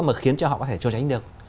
mà khiến cho họ có thể trốn tránh được